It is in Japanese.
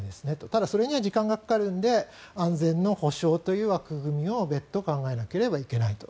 ただそれには時間がかかるので安全の保障という枠組みを別途考えなければいけないと。